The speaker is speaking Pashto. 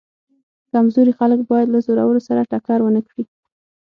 کمزوري خلک باید له زورورو سره ټکر ونه کړي.